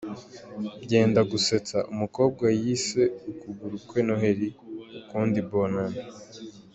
Byenda Gusetsa: Umukobwa yise ukuguru kwe Noheli, ukundi Bonane.